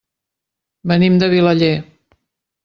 Venim de Vilaller.